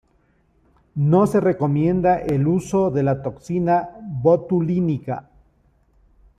No se recomienda el uso de la toxina botulínica.